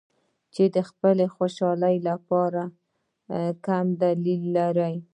چې د خپلې خوشحالۍ لپاره کم دلیل لري.